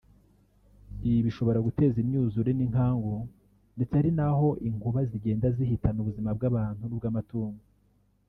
Ibi bishobora gutera imyuzure n’inkangu ndetse hari aho inkuba zigenda zihitana ubuzima bw’abantu n’ubw’amatungo